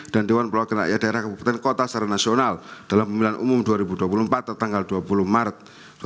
dan dewan pelawakan rakyat daerah kabupaten kota secara nasional dalam pemilihan umum dua ribu dua puluh empat tanggal dua puluh maret dua ribu dua puluh empat